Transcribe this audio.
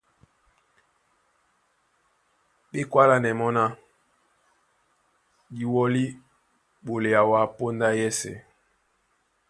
Ɓé kwálánɛ́ mɔ́ ná:Di wɔlí ɓolea wǎ póndá yɛ́sɛ̄.